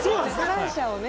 感謝をね。